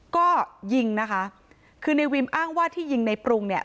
ก็ยิงนะคะคือในวิมอ้างว่าที่ยิงในปรุงเนี่ย